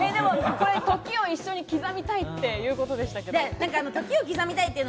時を一緒に刻みたいということでしたが。